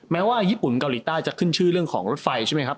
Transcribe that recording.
ว่าญี่ปุ่นเกาหลีใต้จะขึ้นชื่อเรื่องของรถไฟใช่ไหมครับ